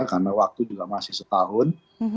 karena waktu juga masih setahun